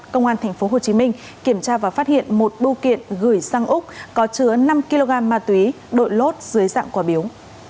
công an tp hcm kiểm tra và phát hiện một bưu kiện gửi sang úc có chứa năm kg ma túy đội lốt dưới dạng quả biếu